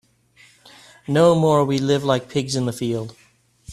No more we live like pigs in the field.